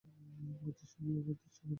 বত্রিশে বিয়ে, পয়ত্রিশে বাড়ি কিনতাম।